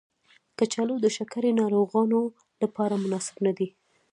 کچالو د شکرې ناروغانو لپاره مناسب ندی.